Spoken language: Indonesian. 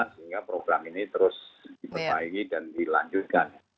sehingga program ini terus diperbaiki dan dilanjutkan